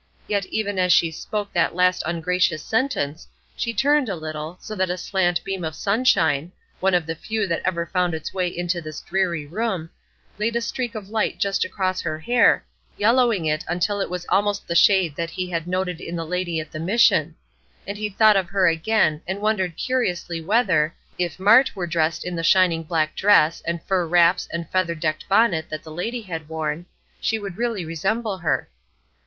Yet even as she spoke that last ungracious sentence, she turned a little, so that a slant beam of sunshine one of the few that ever found its way into this dreary room laid a streak of light just across her hair, yellowing it until it was almost the shade that he had noted in the lady at the Mission; and he thought of her again, and wondered curiously whether, if Mart were dressed in the shining black dress, and fur wraps and feather decked bonnet that the lady had worn, she would really resemble her.